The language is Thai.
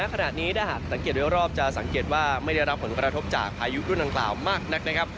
ขณะนี้ถ้าหากสังเกตโดยรอบจะสังเกตว่าไม่ได้รับผลกระทบจากพายุรุ่นดังกล่าวมากนักนะครับ